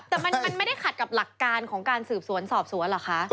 แต่มันไม่ได้ขัดกับหลักการของการสืบสวนสอบสวนเหรอคะ